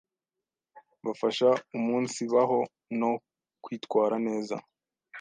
bafasha umunsibaho no kwitwara neza